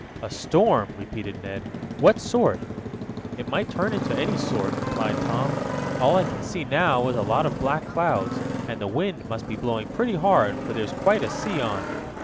"A storm," repeated Ned. "What sort?" "It might turn into any sort," replied Tom. "All I can see now is a lot of black clouds, and the wind must be blowing pretty hard, for there's quite a sea on."